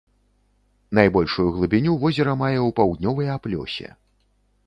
Найбольшую глыбіню возера мае ў паўднёвыя плёсе.